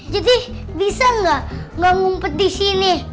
jadi bisa gak ngumpet disini